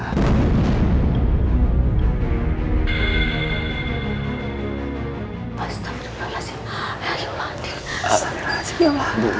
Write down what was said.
bu andin mengalami kecelakaan